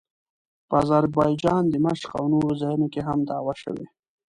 په اذربایجان، دمشق او نورو ځایونو کې هم دعوې شوې.